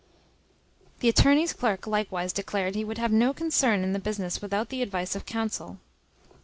The attorney's clerk likewise declared he would have no concern in the business without the advice of counsel.